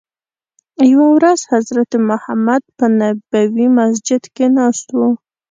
یوه ورځ حضرت محمد په نبوي مسجد کې ناست وو.